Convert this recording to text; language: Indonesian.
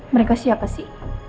mereka siapa sih